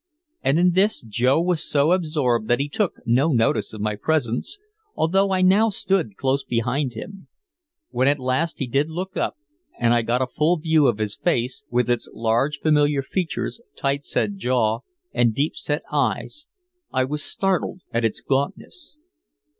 And in this Joe was so absorbed that he took no notice of my presence, although I now stood close behind him. When at last he did look up and I got a full view of his face, with its large, familiar features, tight set jaw and deep set eyes, I was startled at its gauntness.